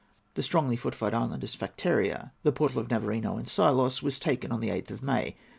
The strongly fortified island of Sphakteria, the portal of Navarino and Pylos, was taken on the 8th of May.